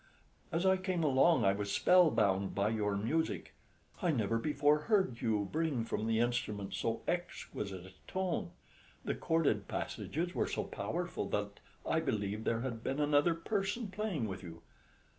As I came along I was spellbound by your music. I never before heard you bring from the instrument so exquisite a tone: the chorded passages were so powerful that I believed there had been another person playing with you.